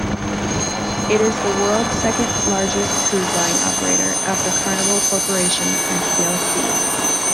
It is the world's second-largest cruise line operator, after Carnival Corporation and plc.